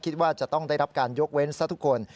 คิดว่าจะต้องได้รับการยกเว้นซะทุกคน